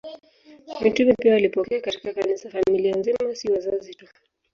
Mitume pia walipokea katika Kanisa familia nzima, si wazazi tu.